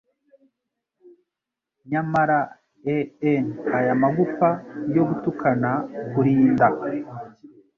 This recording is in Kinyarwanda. Nyamara e'en aya magufa yo gutukana kurinda